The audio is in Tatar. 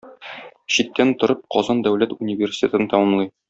Читтән торып Казан дәүләт университетын тәмамлый.